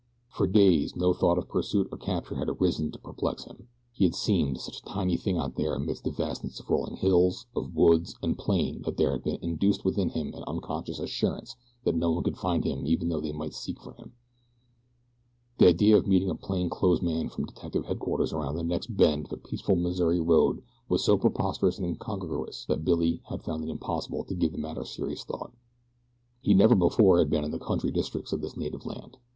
For days no thought of pursuit or capture had arisen to perplex him. He had seemed such a tiny thing out there amidst the vastness of rolling hills, of woods, and plain that there had been induced within him an unconscious assurance that no one could find him even though they might seek for him. The idea of meeting a plain clothes man from detective headquarters around the next bend of a peaceful Missouri road was so preposterous and incongruous that Billy had found it impossible to give the matter serious thought. He never before had been in the country districts of his native land.